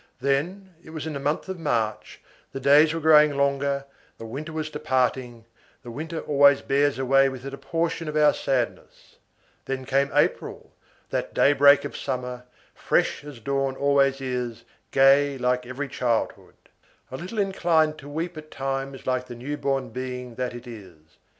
Then, it was in the month of March, the days were growing longer, the winter was departing, the winter always bears away with it a portion of our sadness; then came April, that daybreak of summer, fresh as dawn always is, gay like every childhood; a little inclined to weep at times like the new born being that it is.